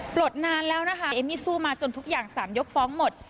ลดนานแล้วนะคะเอมมี่สู้มาจนทุกอย่าง๓ยกฟ้องหมด